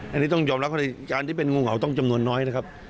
อันนี้ต้องยอมรับว่าการที่เป็นงูเห่าต้องจำนวนน้อยนะครับ